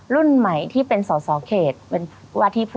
รุ่นใหม่ที่เป็นสอดเขต